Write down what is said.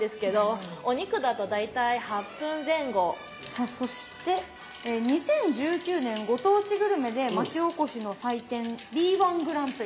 さあそして２０１９年ご当地グルメで町おこしの祭典Ｂ−１グランプリ。